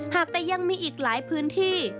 หากแต่ยังมีอีกหลายพื้นที่